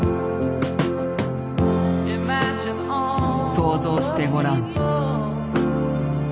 想像してごらん。